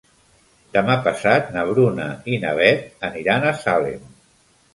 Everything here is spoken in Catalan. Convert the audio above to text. Demà passat na Bruna i na Beth aniran a Salem.